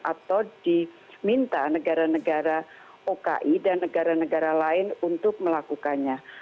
atau diminta negara negara oki dan negara negara lain untuk melakukannya